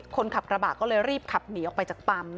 คนขับกระบะก็เลยรีบขับหนีออกไปจากปั๊ม